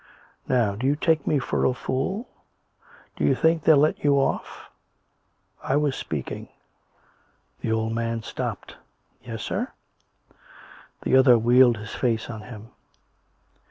" Now do you take me for a fool? D'you think they'll let you off? I was speaking " The old man stopped. "Yes, sir?" The other wheeled his face on him.